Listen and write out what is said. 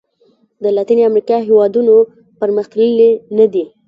د لاتیني امریکا هېوادونو پرمختللي نه دي.